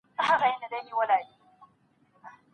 پوښتنه وکړئ چي څنګه خپلو اهدافو ته ورسېږم.